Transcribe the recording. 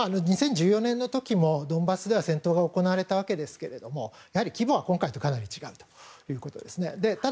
２０１４年の時もドンバスでは戦闘が行われましたが規模は今回とかなり違うということです。